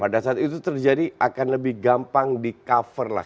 pada saat itu terjadi akan lebih gampang di cover lah